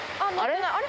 あれ？